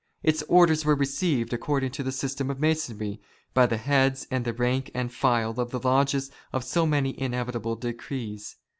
Its orders were received, according to the system of Masonry, by the heads and the rank and file of the lodges as so many inevitable decrees.